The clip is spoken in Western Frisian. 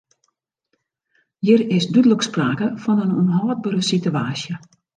Hjir is dúdlik sprake fan in ûnhâldbere situaasje.